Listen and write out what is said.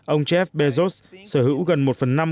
ông jeff bezos sở hữu gần một phần năm